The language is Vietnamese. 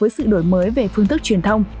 với sự đổi mới về phương tức truyền thông